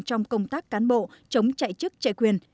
trong công tác cán bộ chống chạy chức chạy quyền